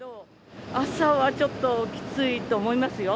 朝はちょっときついと思いますよ。